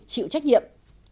chịu trách nhiệm